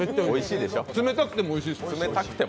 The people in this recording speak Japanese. おいしいです。